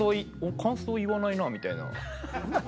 「感想言わないな」みたいな。